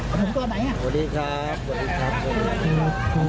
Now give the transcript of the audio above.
สวัสดีครับสวัสดีครับสวัสดีครับสวัสดีครับสวัสดีครับ